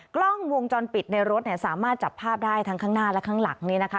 กล้องวงจรปิดในรถเนี่ยสามารถจับภาพได้ทั้งข้างหน้าและข้างหลังนี้นะคะ